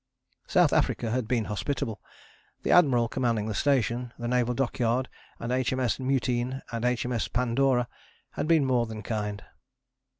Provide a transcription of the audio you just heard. South Africa had been hospitable. The Admiral Commanding the Station, the Naval Dockyard, and H.M.S. Mutine and H.M.S. Pandora, had been more than kind.